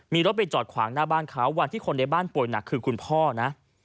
มีรถไปจอดขวางหน้าบ้านเขาวันที่คนในบ้านป่วยหนักคือคุณพ่อนะ